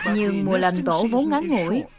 nhưng mùa lầm tổ vốn ngắn ngủi